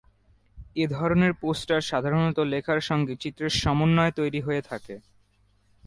এ ধরনের পোস্টার সাধারণত লেখার সঙ্গে চিত্রের সমন্বয়ে তৈরি হয়ে থাকে।